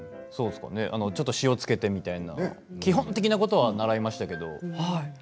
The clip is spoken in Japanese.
ちょっと塩をつけてみたいな基本的なことは習いましたけど。